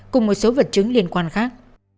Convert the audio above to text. cùng một số vật chứng liên quan khác